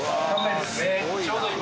ちょうど今。